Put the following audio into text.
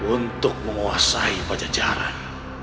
untuk menguasai pajajaran